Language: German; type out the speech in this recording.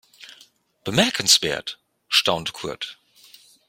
Bemerkenswert, staunte Kurt.